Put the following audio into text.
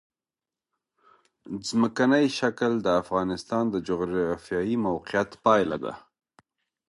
ځمکنی شکل د افغانستان د جغرافیایي موقیعت پایله ده.